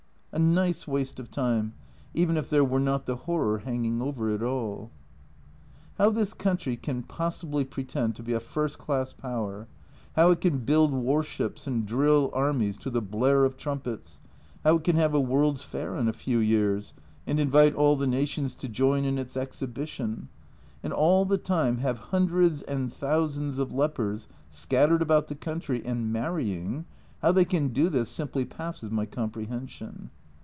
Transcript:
A nice waste of time, even if there were not the horror hang ing over it all ! How this country can possibly pretend to be a first class Power, how it can build warships and drill armies to the blare of trumpets, how it can have a ''World's Fair" in a few years, and invite all the nations to join in its Exhibition, and all the time have hundreds and thousands of lepers scattered about the country, and marrying how they can do this simply passes my comprehension.